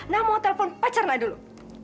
nah mau telepon pak cerna dulu